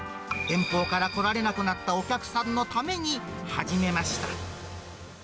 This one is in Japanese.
遠方から来られなくなったお客さんのために始めました。